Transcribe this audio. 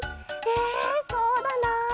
えそうだな。